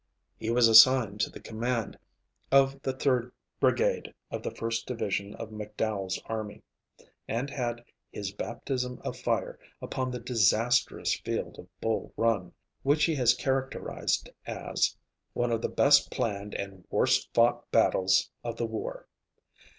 He was assigned to the command of the Third Brigade of the First Division of McDowell's army, and had his "baptism of fire" upon the disastrous field of Bull Run, which he has characterized as "one of the best planned and worst fought battles of the war."